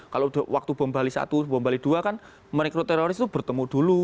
kalau waktu bom bali satu bom bali dua kan merekrut teroris itu bertemu dulu